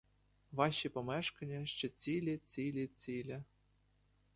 Ваші помешкання ще цілі, цілі, цілі!